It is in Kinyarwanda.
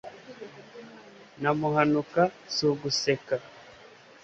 na muhanuka si uguseka